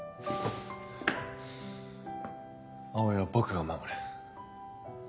葵は僕が守る。